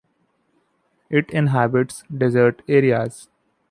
It inhabits desert areas.